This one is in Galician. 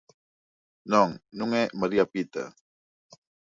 Non, non é María Pita.